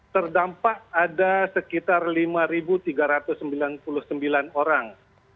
terdampak ada sekitar lima tiga ratus sembilan puluh sembilan orang